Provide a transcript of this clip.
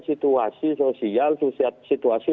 situasi sosial situasi